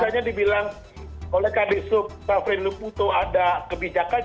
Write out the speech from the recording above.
misalnya dibilang oleh kd sub pak syafrin lukuto ada kebijakan